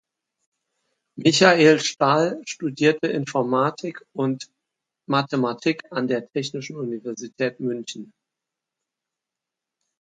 Michael Stal studierte Informatik und Mathematik an der Technischen Universität München.